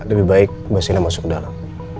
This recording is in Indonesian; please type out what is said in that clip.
lebih baik mbak siena masuk dalam